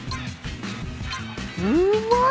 うまい！